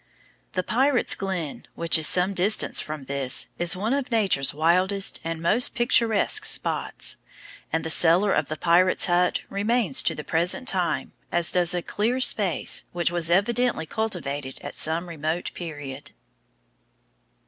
The Pirates' Glen, which is some distance from this, is one of Nature's wildest and most picturesque spots, and the cellar of the pirate's hut remains to the present time, as does a clear space, which was evidently cultivated at some remote period.